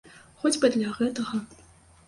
Хоць бы для гэтага!